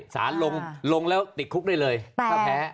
สารลงแล้วติดคุกได้เลยถ้าแพ้